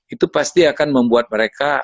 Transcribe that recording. itu pasti akan membuat mereka